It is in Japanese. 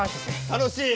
楽しい？